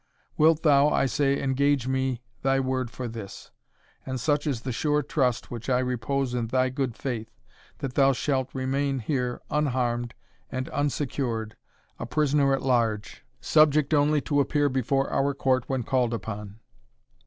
Wilt thou, I say, engage me thy word for this? and such is the sure trust which I repose in thy good faith, that thou shalt remain here unharmed and unsecured, a prisoner at large, subject only to appear before our court when called upon."